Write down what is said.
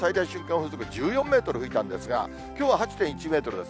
風速１４メートル吹いたんですが、きょうは８．１メートルです。